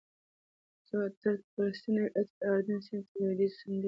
تر فلسطین او بیا د اردن سیند تر لوېدیځې څنډې رسېږي